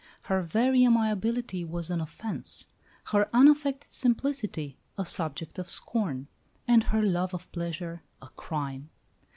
Her very amiability was an offence; her unaffected simplicity a subject of scorn; and her love of pleasure a crime.